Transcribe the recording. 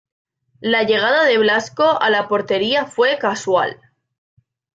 La llegada de Blasco a la portería fue casual.